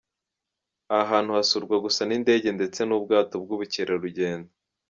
Aha hantu hasurwa gusa n’indege ndetse n’ubwato by’ubukerarugendo.